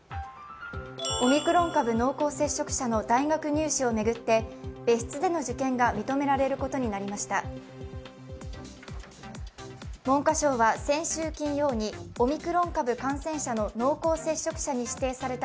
オミクロン株濃厚接触者の大学入試を巡って別室での受験が認められることになりました。